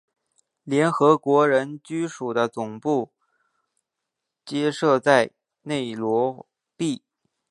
联合国人居署的总部皆设在内罗毕。